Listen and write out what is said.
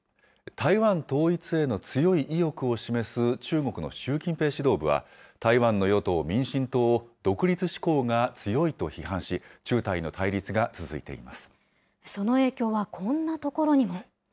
台湾統一への強い意欲を示す中国の習近平指導部は、台湾の与党・民進党を独立志向が強いと批判し、その影響はこんなところにも。